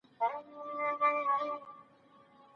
حضوري ټولګي کي زده کوونکي بې ګډون نه پاتې کيږي.